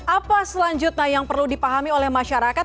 apa selanjutnya yang perlu dipahami oleh masyarakat